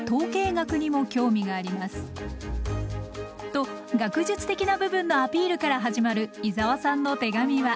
と学術的な部分のアピールから始まる伊沢さんの手紙は。